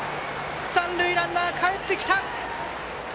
三塁ランナー、かえってきた！